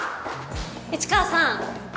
市川さん！